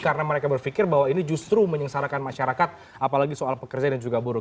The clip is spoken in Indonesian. karena mereka berpikir bahwa ini justru menyengsarakan masyarakat apalagi soal pekerjaan yang juga buruk